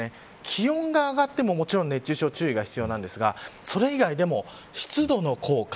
気温が上がっても熱中症、注意が必要ですがそれ以外でも、湿度の効果。